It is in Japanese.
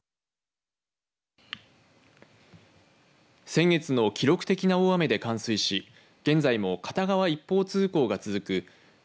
先月の記録的な大雨で冠水し現在も片側一方通行が続く